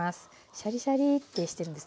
シャリシャリってしてるんです。